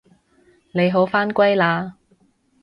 你好返歸喇